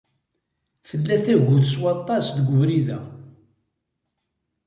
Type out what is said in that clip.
Tella tagut s waṭas deg ubrid-a.